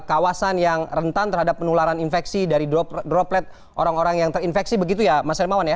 jadi kalau ada kawasan yang rentan terhadap penularan infeksi dari droplet orang orang yang terinfeksi begitu ya mas helmawan ya